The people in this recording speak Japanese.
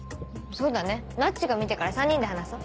そうだねなっちが見てから３人で話そう。